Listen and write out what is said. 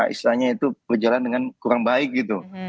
istilahnya itu berjalan dengan kurang baik gitu